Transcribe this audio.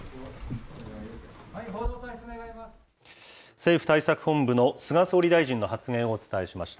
政府対策本部の菅総理大臣の発言をお伝えしました。